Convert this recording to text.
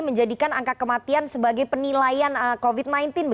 menjadikan angka kematian sebagai penilaian covid sembilan belas